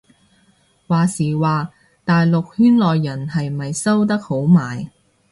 話時話大陸圈內人係咪收得好埋